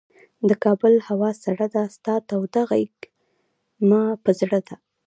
د کابل هوا سړه ده، ستا توده غیږ مه په زړه ده